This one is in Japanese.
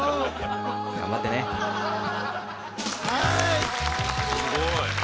すごい。